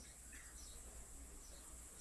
Ndowooza leero tojja kukola.